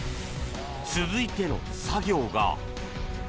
続いての作業が。